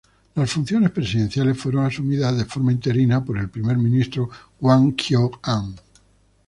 Las funciones presidenciales fueron asumidas de forma interina por el primer ministro Hwang Kyo-ahn.